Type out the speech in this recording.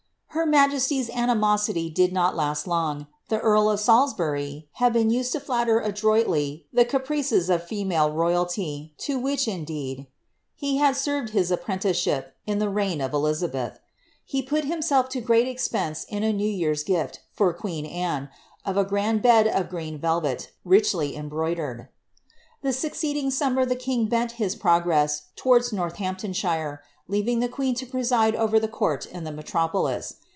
' Hit iiiajesiy's animosity did not last long ; the earl of Salisbury had been u^cd to flaitpr adroitly the caprices of female royally, lit whicii, in' di ed, ■'' he had served his apprenticeship" in the reign of Elizabeth, ile put himself lo great cxpcnst in a new year'^s gift fur queen Anne, of i grand bed of green velvet, richly embroidered. The succeeding summer llie king bent his progress towards Rotili amptonshire, leaving the queen to preside over ilie court in the metropo lis.